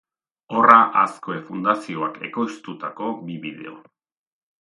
Horra Azkue Fundazioak ekoiztutako bi bideo.